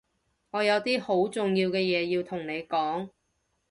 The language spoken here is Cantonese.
我有啲好重要嘅嘢要同你講